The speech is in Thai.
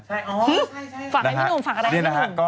คือฝากให้พี่หนุ่มฝากอะไรให้พี่หนุ่ม